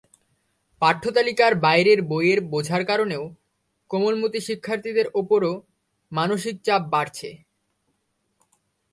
পাঠ্যতালিকার বাইরের বইয়ের বোঝার কারণে কোমলমতি শিক্ষার্থীদের ওপরও মানসিক চাপ বাড়ছে।